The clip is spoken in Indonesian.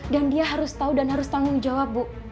dan dia harus tau dan harus tanggung jawab bu